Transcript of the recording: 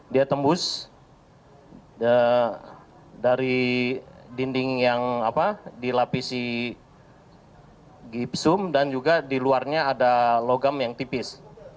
dia tembus dari dinding yang dilapisi gipsum dan juga di luarnya ada logam yang tipis